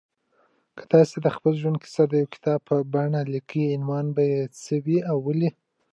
که تاسي د خپل ژوند کیسه د یو کتاب په بڼه لیکي، نو عنوان به يي سه وي او ولي